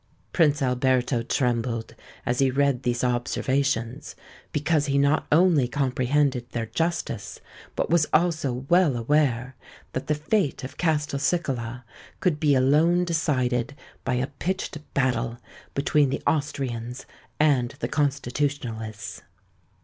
Prince Alberto trembled as he read these observations; because he not only comprehended their justice, but was also well aware that the fate of Castelcicala could be alone decided by a pitched battle between the Austrians and the Constitutionalists.